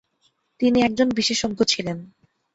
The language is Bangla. তিনি একজন বিশেষজ্ঞ ছিলেন।